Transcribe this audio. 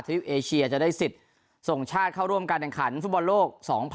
เอเชียจะได้สิทธิ์ส่งชาติเข้าร่วมการแข่งขันฟุตบอลโลก๒๐๑๖